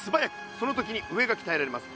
その時に上がきたえられます。